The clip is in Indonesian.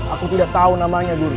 aku tidak tahu namanya guru